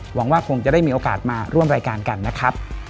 หวังว่าคงจะได้มีโอกาสมาร่วมรายการกันนะครับ